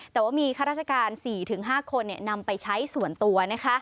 แต่ว่ามีข้าราชการ๔๕คนนำไปใช้ส่วนตัวนะคะ